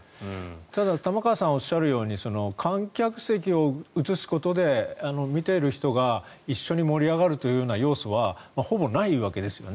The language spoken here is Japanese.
ただ、玉川さんがおっしゃるように観客席を映すことで見ている人が一緒に盛り上がるというような要素はほぼないわけですね。